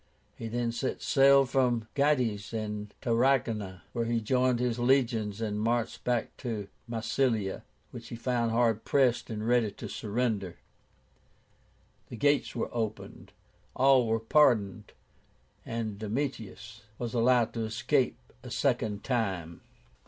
He then set sail from Gades to Tarragóna, where he joined his legions and marched back to Massilia, which he found hard pressed and ready to surrender. The gates were opened. All were pardoned, and Domitius was allowed to escape a second time.